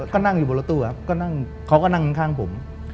ก็นั่งอยู่บนระตู้ครับ